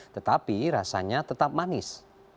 tetapi rasanya tetap manis